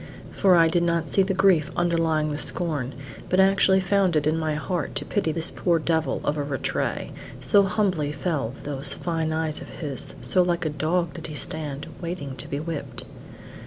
For I did not see the grief underlying the scorn, but actually found it in my heart to pity this poor devil of a Rattray: so humbly fell those fine eyes of his, so like a dog did he stand, waiting to be whipped.